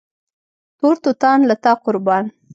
تور توتان له تا قربان